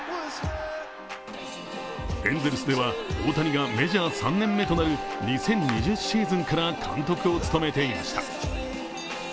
エンゼルスでは、大谷がメジャー３年目となる２０２０シーズンから監督を務めていました。